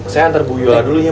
saya antar bu yola dulu ya